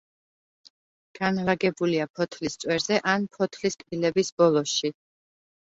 განლაგებულია ფოთლის წვერზე ან ფოთლის კბილების ბოლოში.